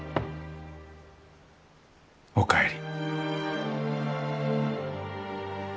お帰り。